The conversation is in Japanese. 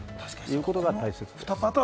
ということが大切です。